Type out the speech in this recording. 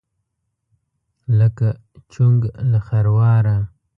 لکه: چونګ له خرواره.